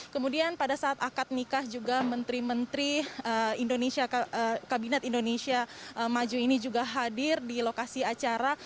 kemudian pada saat akad nikah juga menteri menteri kabinet indonesia maju ini juga hadir di lokasi acara